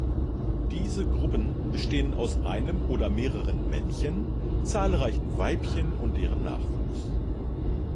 Diese Gruppen bestehen aus einem oder mehreren Männchen, zahlreichen Weibchen und deren Nachwuchs.